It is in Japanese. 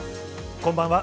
こんばんは。